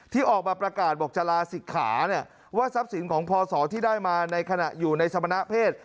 ที่ออกมาประกาศบอกจะลาศิกขาเนี่ยว่าทรัพย์สินของพศที่ได้มาในขณะอยู่ในสมณะเพศ